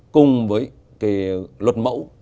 cùng với cái luật mẫu